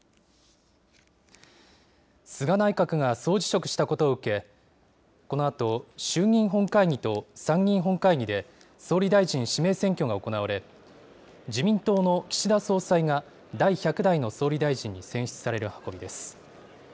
菅内閣が総辞職したことを受け、このあと衆議院本会議と参議院本会議で、総理大臣指名選挙が行われ、自民党の岸田総裁が第１００代の総理大臣に選出される運びです。